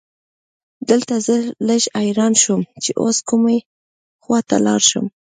دلته زه لږ حیران شوم چې اوس کومې خواته لاړ شم.